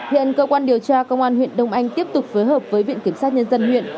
hiện cơ quan điều tra công an huyện đông anh tiếp tục phối hợp với viện kiểm sát nhân dân huyện